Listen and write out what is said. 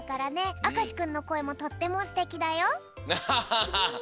あかしくんのこえもとってもすてきだよ。